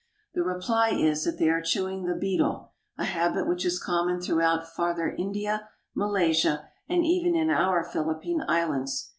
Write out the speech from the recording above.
The reply is that they are chewing the betel, a habit which is common throughout Farther India, Malaysia, and even in our Philippine Islands.